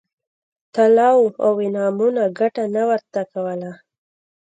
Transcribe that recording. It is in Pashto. طلاوو او انعامونو ګټه نه ورته کوله.